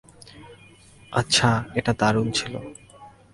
আচ্ছা, এটা দারুণ ছিল।